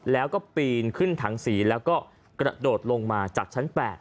แล้วก็ปีนขึ้นถังสีแล้วก็กระโดดลงมาจากชั้น๘